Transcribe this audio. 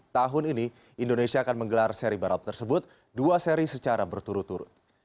tahun ini indonesia akan menggelar seri balap tersebut dua seri secara berturut turut